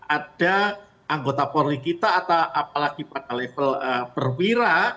ada anggota polri kita atau apalagi pada level perwira